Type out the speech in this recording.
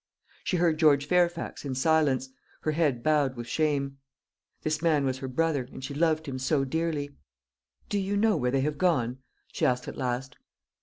She heard George Fairfax in silence, her head bowed with shame. This man was her brother, and she loved him so dearly. "Do you know where they have gone?" she asked at last.